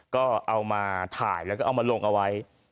ก็เอามาถ่ายแล้วก็เอามาลงเอาไว้